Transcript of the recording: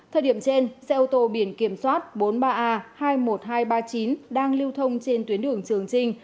thời điểm trên xe ô tô biển kiểm soát bốn mươi ba a hai mươi một nghìn hai trăm ba mươi chín đang lưu thông trên tuyến đường trường trinh